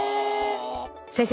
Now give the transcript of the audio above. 先生